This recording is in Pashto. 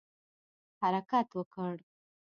حرکت وکړ.